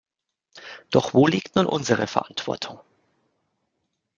Doch wo liegt nun unsere Verantwortung?